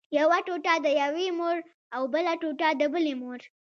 یوه ټوټه د یوې مور او بله ټوټه د بلې مور.